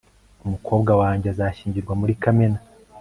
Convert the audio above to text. umukobwa wanjye azashyingirwa muri kamena